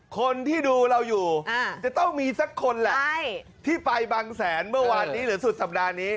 คนที่ดูเราอยู่จะต้องมีสักคนแหละที่ไปบางแสนเมื่อวานนี้หรือสุดสัปดาห์นี้